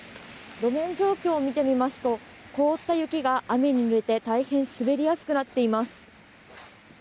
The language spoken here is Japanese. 路面状況を見てみますと凍った雪が雨でぬれて大変、滑りやすくなっています。